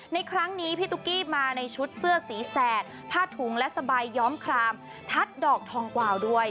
ในครั้งนี้พี่ตุ๊กกี้มาในชุดเสื้อสีแสดผ้าถุงและสบายย้อมครามทัดดอกทองกวาวด้วย